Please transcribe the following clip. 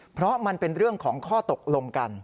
เพราะมันเป็นเรื่องของข้อตกลงกัน